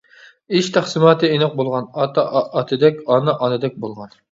ئىش تەقسىماتى ئېنىق بولغان، ئاتا ئاتىدەك، ئانا ئانىدەك بولغان.